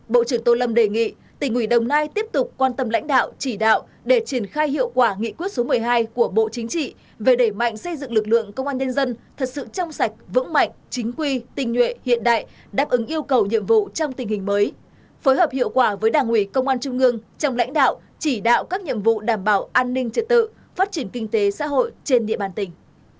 bộ trưởng tô lâm đề nghị tỉnh ủy đồng nai tiếp tục quan tâm lãnh đạo chỉ đạo để triển khai hiệu quả nghị quyết số một mươi hai của bộ chính trị về đẩy mạnh xây dựng lực lượng công an nhân dân thật sự trong sạch vững mạnh chính quy tinh nhuệ hiện đại đáp ứng yêu cầu nhiệm vụ trong tình hình mới phối hợp hiệu quả với đảng ủy công an trung ương trong lãnh đạo chỉ đạo các nhiệm vụ đảm bảo an ninh trật tự phát triển kinh tế xã hội trên địa bàn tỉnh